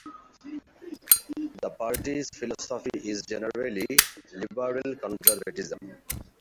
The party's philosophy is generally liberal conservatism.